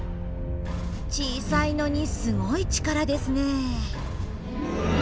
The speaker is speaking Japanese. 小さいのにすごい力ですねえ。